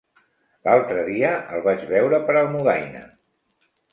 L'altre dia el vaig veure per Almudaina.